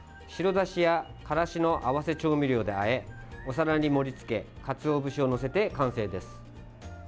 白だしやからしの合わせ調味料であえお皿に盛り付けかつお節を載せて完成です。